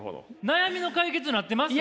悩みの解決なってます？